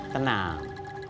tenang nggak akan meledak